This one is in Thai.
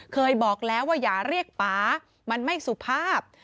เคยบอกแล้วว่าอย่าเรียกป๊ามันไม่สุภาพ